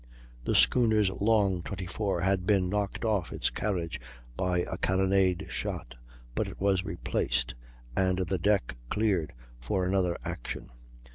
The schooner's long 24 had been knocked off its carriage by a carronade shot, but it was replaced and the deck cleared for another action.